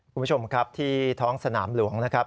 คุณผู้ชมครับที่ท้องสนามหลวงนะครับ